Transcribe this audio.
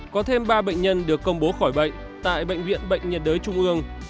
có thêm ba bệnh nhân được công bố khỏi bệnh tại bệnh viện bệnh nhiệt đới trung ương